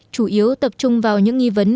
chủ yếu tập trung vào những nghi vấn